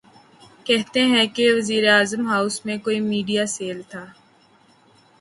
کہتے ہیں کہ وزیراعظم ہاؤس میں کوئی میڈیا سیل تھا۔